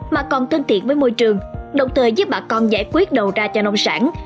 mà còn thân thiện với môi trường đồng thời giúp bà con giải quyết đầu ra cho nông sản